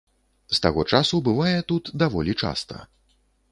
З таго часу бывае тут даволі часта.